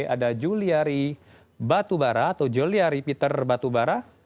ada juliari batubara atau juliari peter batubara